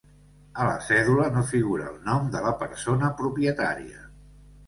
A la cèdula no figura el nom de la persona propietària.